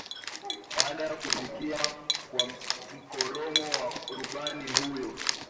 baada ya kusikia kwa mkoromo wa rubani huyo